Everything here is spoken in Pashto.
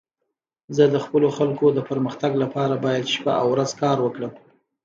زه د خپلو خلکو د پرمختګ لپاره باید شپه او ورځ کار وکړم.